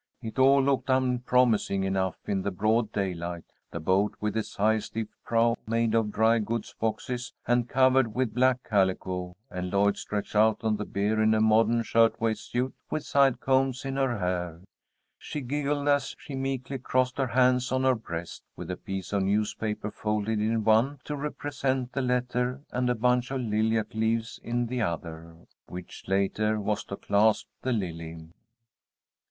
It all looked unpromising enough in the broad daylight; the boat with its high stiff prow made of dry goods boxes and covered with black calico, and Lloyd stretched out on the bier in a modern shirtwaist suit with side combs in her hair. She giggled as she meekly crossed her hands on her breast, with a piece of newspaper folded in one to represent the letter, and a bunch of lilac leaves in the other, which later was to clasp the lily.